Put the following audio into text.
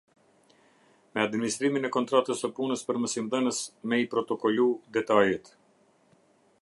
Me administrimin e kontratës së punës për mësimdhënës, me i protokolu detajet.